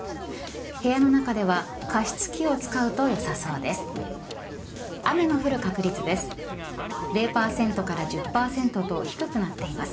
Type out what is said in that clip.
部屋の中では加湿器を使うとよさそうです。